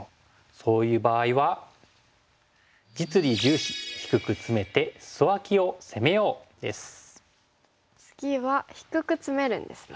そういう場合は次は低くツメるんですね。